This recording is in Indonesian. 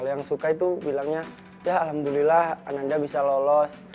yang suka itu bilangnya ya alhamdulillah ananda bisa lolos